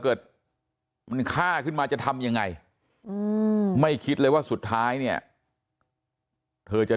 เกิดมันฆ่าขึ้นมาจะทำยังไงไม่คิดเลยว่าสุดท้ายเนี่ยเธอจะ